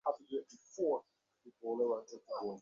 নতুন বসন্তের হাওয়া শহরের ইঁটকাঠের উপর রঙ ধরাতে পারলে না।